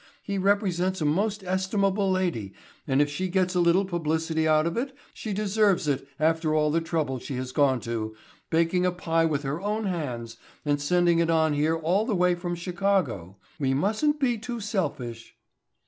He represents a most estimable lady, and if she gets a little publicity out of it she deserves it after all the trouble she has gone to—baking a pie with her own hands and sending it on here all the way from Chicago. We mustn't be too selfish."